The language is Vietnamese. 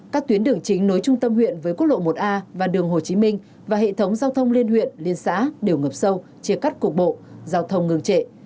các tuyến đường chính nối trung tâm huyện với quốc lộ một a và đường hồ chí minh và hệ thống giao thông liên huyện liên xã đều ngập sâu chia cắt cục bộ giao thông ngừng trệ